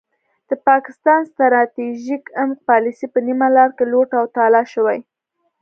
د پاکستان ستراتیژیک عمق پالیسي په نیمه لار کې لوټ او تالا شوې.